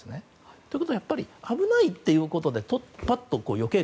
ということはやっぱり危ないということでパッとよける。